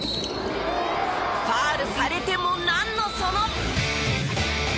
ファウルされてもなんのその！